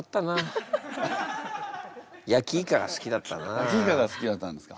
私も焼きイカが好きだったんですか。